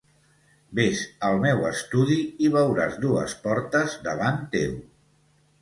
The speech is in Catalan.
Ves al meu estudi, i veuràs dues portes davant teu.